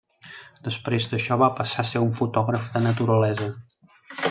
Després d'això, va passar a ser un fotògraf de naturalesa.